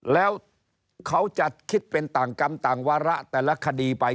แล้วเขาจะคิดเป็นต่างกรรมต่างวาระแต่ละคดีไป